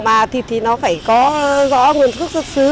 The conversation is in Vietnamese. mà thịt thì nó phải có rõ nguồn gốc xuất xứ